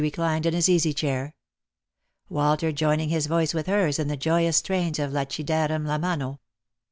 239 reclined in his easy chair; Walter joining his voice with hers in the joyous strains of " La ci darem la mano."